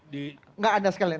tidak ada sekali